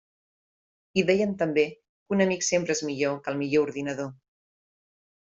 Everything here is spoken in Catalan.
I deien també que «un amic sempre és millor que el millor ordinador».